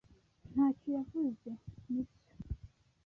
ntacyo yavuze, nibyo?